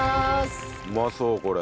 うまそうこれ。